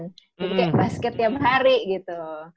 jadi kayak basket tiap hari gitu